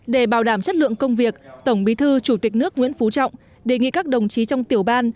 để bảo đảm chất lượng công việc tổng bí thư chủ tịch nước nguyễn phú trọng đề nghị các đồng chí trong tiểu ban